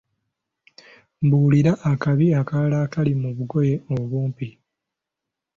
Mbuulira akabi akalala akali mu bugoye obumpi.